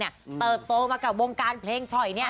ตัวเองเนี่ยเติบโตมากับวงการเพลงช่อยเนี่ย